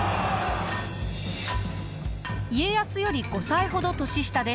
家康より５歳ほど年下です。